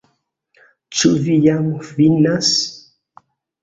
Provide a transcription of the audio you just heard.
Ĉu vi jam finas?